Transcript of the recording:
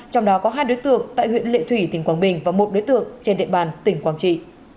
trong đó có hai đối tượng tại huyện lệ thủy tỉnh quảng bình và một đối tượng trên địa bàn tỉnh quảng trị